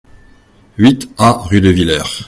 huit A rue de Willer